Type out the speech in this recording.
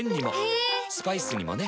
ヘェー⁉スパイスにもね。